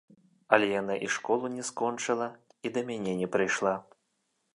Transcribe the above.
Але яна і школу не скончыла, і да мяне не прыйшла.